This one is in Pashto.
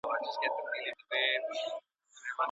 د لاس لیکنه د انسان د بیولوژیکي ځانګړتیاوو سره سمه ده.